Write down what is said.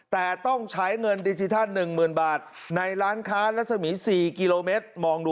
แต่ต้องใช้เงินดิจิทัล๑๐๐๐บาทในร้านค้ารัศมี๔กิโลเมตร